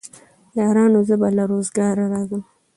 يارانو زه به له روزګاره راځم